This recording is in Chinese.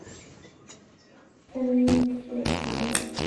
恩典堂。